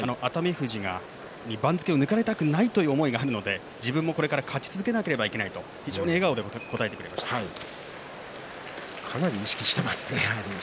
富士に番付を抜かれたくないという思いがあるので、自分もこれから勝ち続けなければいけないとかなり意識していますね